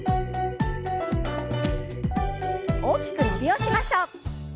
大きく伸びをしましょう。